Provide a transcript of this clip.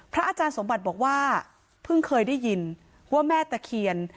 อาจารย์สมบัติบอกว่าเพิ่งเคยได้ยินว่าแม่ตะเคียน